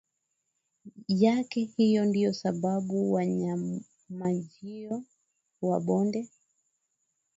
yake hiyo ndiyo sababu wanyamajio wa bonde